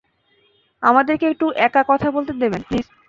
আমাদেরকে একটু একা কথা বলতে দেবেন, প্লিজ?